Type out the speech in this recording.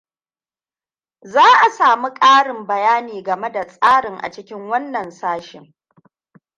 Zaʻa samu ƙarin bayani game da tsarin a cikin wannan sashin.